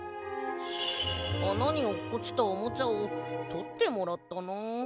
あなにおっこちたおもちゃをとってもらったな。